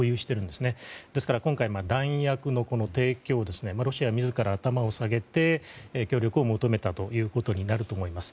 ですから、今回弾薬の提供をロシア自ら、頭を下げて協力を求めたということになると思います。